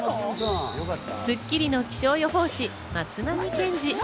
『スッキリ』の気象予報士・松並健治。